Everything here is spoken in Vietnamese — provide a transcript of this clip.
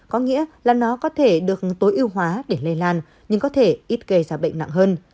có nghĩa là nó có thể được tối ưu hóa để lây lan nhưng có thể ít gây ra bệnh nặng hơn